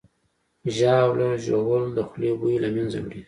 ژاوله ژوول د خولې بوی له منځه وړي.